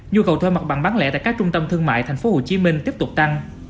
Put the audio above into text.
nhu cầu thuê mặt bằng bán lẻ tại các trung tâm thương mại tp hcm tiếp tục tăng